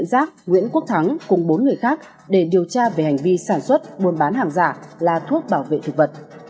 nguyễn quốc thắng cùng bốn người khác để điều tra về hành vi sản xuất buôn bán hàng giả là thuốc bảo vệ thực vật